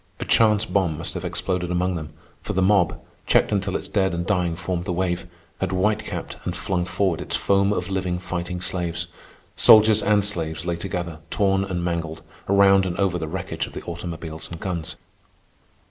A chance bomb must have exploded among them, for the mob, checked until its dead and dying formed the wave, had white capped and flung forward its foam of living, fighting slaves. Soldiers and slaves lay together, torn and mangled, around and over the wreckage of the automobiles and guns.